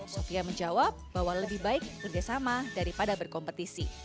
sofia menjawab bahwa lebih baik kerjasama daripada berkompetisi